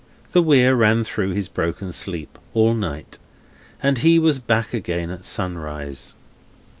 The Weir ran through his broken sleep, all night, and he was back again at sunrise.